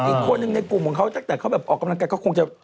อีกคนนึงในกลุ่มของเขาตั้งแต่เขาแบบออกกำลังกายก็คงจะ